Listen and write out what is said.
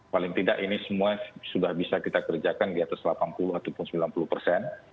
paling tidak ini semua sudah bisa kita kerjakan di atas delapan puluh ataupun sembilan puluh persen